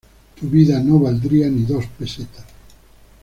Tu vida no valdría ni dos pesetas".